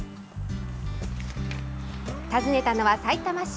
訪ねたのはさいたま市。